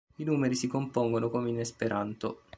I numeri si compongono come in Esperanto.